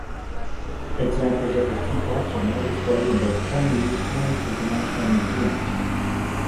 Examples of his teapots are now displayed in both Chinese and international museums.